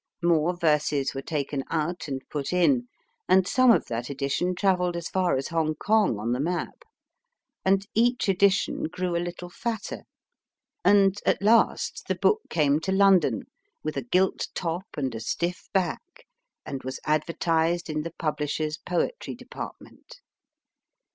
More verses were taken out and put in, and some of that edition travelled as far as Hong Kong on the map, and each edition grew a little fatter, and, at last, the book came to London with a gilt top and a stiff back, and was advertised in the publishers poetry depart ment.